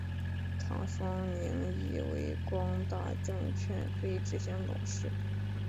唐双宁亦为光大证券非执行董事。